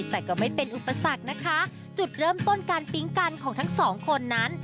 แต่ก็ไม่เป็นอุปสรรคนะคะจุดเริ่มต้นการปิ๊งกันของทั้งสองคนนั้น